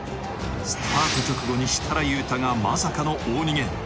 スタート直後に設楽悠太がまさかの大逃げ。